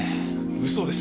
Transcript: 嘘です